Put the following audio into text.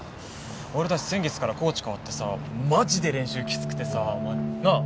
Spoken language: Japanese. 俺達先月からコーチ変わってさマジで練習キツくてさなあ